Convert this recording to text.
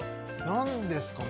何ですかね？